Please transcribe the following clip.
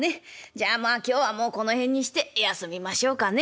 じゃあまあ今日はもうこの辺にして休みましょうかね。